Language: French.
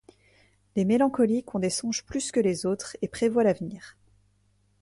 Les mélancoliques ont des songes plus que les autres et prévoient l'avenir.